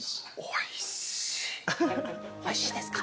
・おいしいですか？